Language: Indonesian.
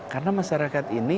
karena masyarakat ini